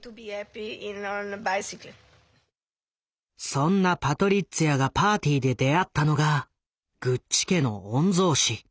そんなパトリッツィアがパーティーで出会ったのがグッチ家の御曹子。